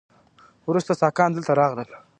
وروسته ساکان دلته راغلل